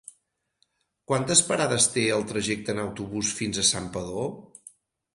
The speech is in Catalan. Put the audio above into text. Quantes parades té el trajecte en autobús fins a Santpedor?